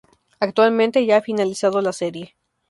Actualmente ya ha finalizado la serie.